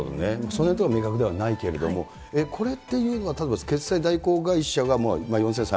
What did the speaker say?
そのへんのところ、明確ではないけれども、これっていうのはたぶん、決済代行会社が４３００万円